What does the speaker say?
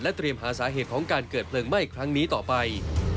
เตรียมหาสาเหตุของการเกิดเพลิงไหม้ครั้งนี้ต่อไป